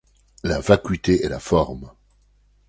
La vacuité est la forme.